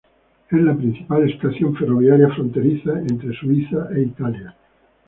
Es la principal estación ferroviaria fronteriza entre Suiza e Italia.